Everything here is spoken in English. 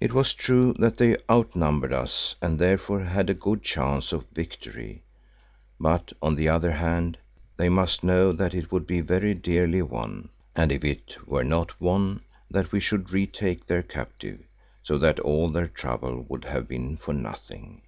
It was true that they outnumbered us and therefore had a good chance of victory, but on the other hand, they must know that it would be very dearly won, and if it were not won, that we should retake their captive, so that all their trouble would have been for nothing.